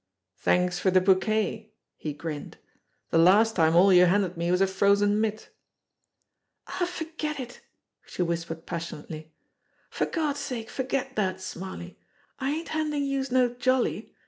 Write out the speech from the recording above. "Thanks for the bouquet!" he grinned. "The last time all you handed me was a frozen mitt." "Aw, forget it !" she whispered passionately. "For Gawd's sake forget dat, Smarly. I ain't handin' youse no jolly.